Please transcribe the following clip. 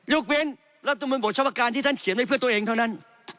กเว้นรัฐมนต์บทเฉพาะการที่ท่านเขียนไว้เพื่อตัวเองเท่านั้น